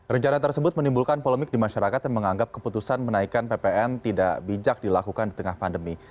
rencana tersebut menimbulkan polemik di masyarakat yang menganggap keputusan menaikan ppn tidak bijak dilakukan di tengah pandemi